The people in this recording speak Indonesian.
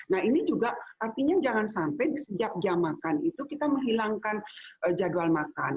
nah ini juga artinya jangan sampai di setiap jam makan itu kita menghilangkan jadwal makan